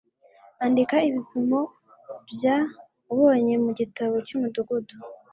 andika ibipimo bya ubonye mu gitabo cy'umudugudu